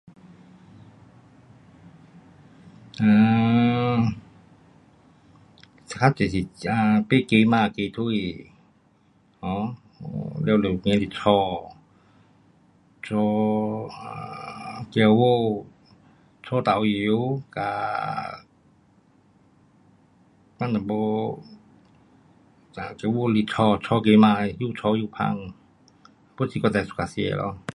um 较多是买鸡肉，鸡腿，um 了了提来炒，炒 um 姜母，炒豆油，嘎放一点姜母去炒，炒鸡肉，又炒又香，都是我最 suka 吃的咯。